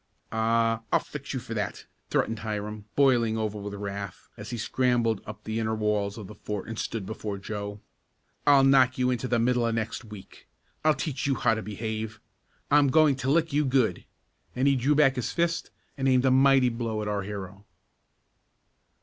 "I I'll fix you for that!" threatened Hiram, boiling over with wrath, as he scrambled up the inner walls of the fort and stood before Joe. "I'll knock you into the middle of next week! I'll teach you how to behave. I'm going to lick you good," and he drew back his fist, and aimed a mighty blow at our hero.